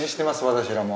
私らも。